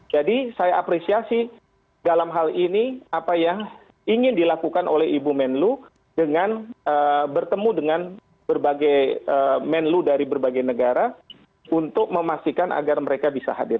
jadi saya apresiasi dalam hal ini apa yang ingin dilakukan oleh ibu menlu dengan bertemu dengan berbagai menlu dari berbagai negara untuk memastikan agar mereka bisa hadir